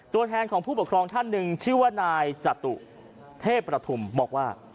ตัวแทนของผู้ปกครองท่านหนึ่งชื่อว่านายจตุเทพประทุมบอกว่า